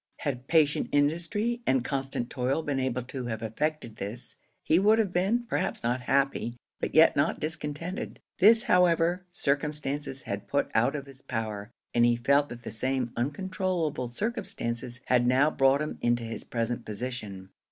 Had patient industry and constant toil been able to have effected this, he would have been, perhaps not happy, but yet not discontented; this, however, circumstances had put out of his power, and he felt that the same uncontrollable circumstances had now brought him into his present position.